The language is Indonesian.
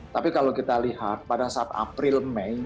tapi kalau kita lihat pada saat april mei